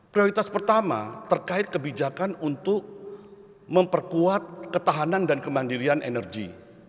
prioritas pertama terkait kebijakan untuk memperkuat ketahanan dan kemandirian energi